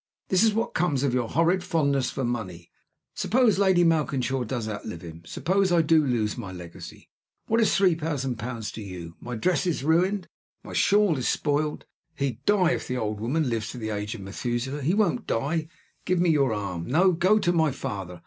This is what comes of your horrid fondness for money. Suppose Lady Malkinshaw does outlive him; suppose I do lose my legacy. What is three thousand pounds to you? My dress is ruined. My shawl's spoiled. He die! If the old woman lives to the age of Methuselah, he won't die. Give me your arm. No! Go to my father.